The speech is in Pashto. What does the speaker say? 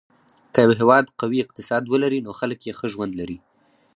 که یو هېواد قوي اقتصاد ولري، نو خلک یې ښه ژوند لري.